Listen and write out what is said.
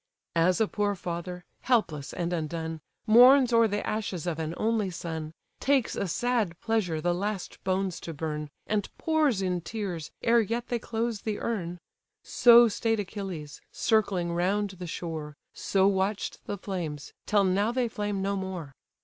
As a poor father, helpless and undone, Mourns o'er the ashes of an only son, Takes a sad pleasure the last bones to burn, And pours in tears, ere yet they close the urn: So stay'd Achilles, circling round the shore, So watch'd the flames, till now they flame no more.